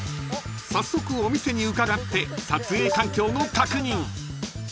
［早速お店に伺って撮影環境の確認］